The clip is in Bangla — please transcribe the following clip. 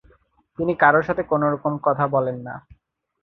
তিনি কারও সাথে কোন রকম কথা বলেন না।